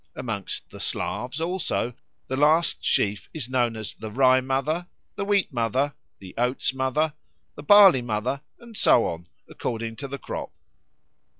Amongst the Slavs also the last sheaf is known as the Rye mother, the Wheat mother, the Oats mother, the Barley mother, and so on, according to the crop.